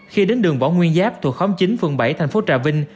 khi đến đường võ nguyên giáp thuộc khóm chín phường bảy thành phố trà vinh